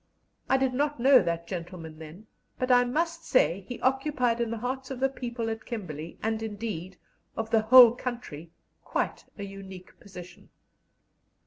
I did not know that gentleman then, but I must say he occupied in the hearts of the people at Kimberley, and, indeed, of the whole country, quite a unique position.